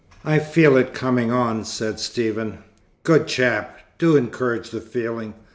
"I feel it coming on," said Stephen. "Good chap! Do encourage the feeling.